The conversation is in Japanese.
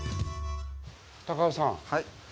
高田さん。